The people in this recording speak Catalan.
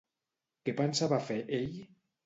Què pensava fer ell?